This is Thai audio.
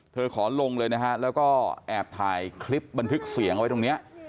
ขอลงเลยนะฮะแล้วก็แอบถ่ายคลิปบันทึกเสียงไว้ตรงนี้